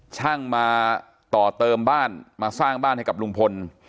ช่างมาต่อเติมบ้านมาสร้างบ้านให้กับลุงพล